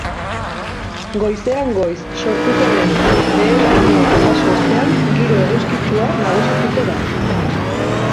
Goizean goiz sortuko den behe-lainoa jaso ostean giro eguzkitsua nagusituko da.